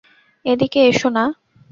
এদিকে এসো না!